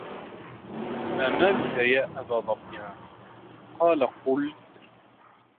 مَا مَالُك يَا أَبَا ظَبْيَانَ ؟ قَالَ قُلْت